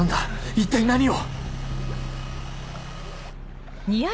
一体何を？